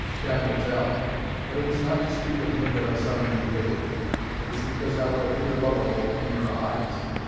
Time will tell. But it was not to speak of him that I summoned you hither. It is because I would appear lovable in your eyes.